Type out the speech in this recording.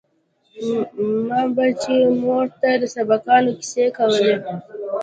ما به چې مور ته د سبقانو کيسې کولې.